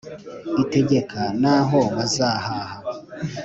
itegeka n’aho bazahaha